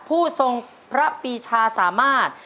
ผู้ทรงพระปีชาสามารถ